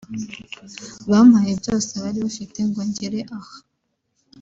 bampaye byose bari bafite ngo ngere aha